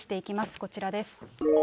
こちらです。